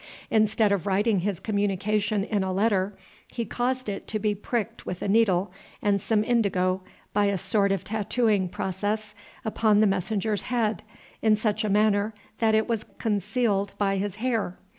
Instead of writing his communication in a letter, he caused it to be pricked with a needle and some indigo, by a sort of tattooing process, upon the messenger's head, in such a manner that it was concealed by his hair.